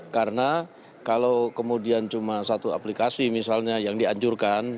karena kalau kemudian cuma satu aplikasi misalnya yang dianjurkan